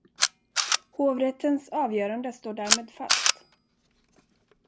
Hovrättens avgörande står därmed fast.